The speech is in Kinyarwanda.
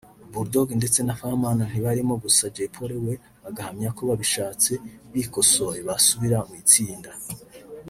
Bull Dogg ndetse na Fireman ntabarimo gusa Jay Polly we agahamya ko babishatse bikosoye basubira mu itsinda